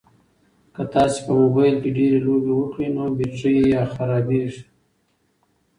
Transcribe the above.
که تاسي په موبایل کې ډېرې لوبې وکړئ نو بېټرۍ یې خرابیږي.